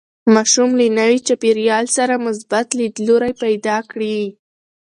ماشوم له نوي چاپېریال سره مثبت لیدلوری پیدا کړي.